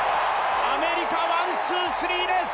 アメリカ、ワン・ツー・スリ−です。